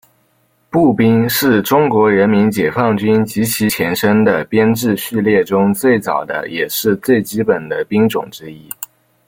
步兵是中国人民解放军及其前身的编制序列中最早的也是最基本的兵种之一。